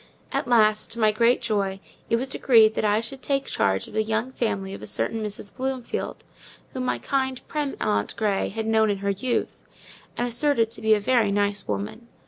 At last, to my great joy, it was decreed that I should take charge of the young family of a certain Mrs. Bloomfield; whom my kind, prim aunt Grey had known in her youth, and asserted to be a very nice woman.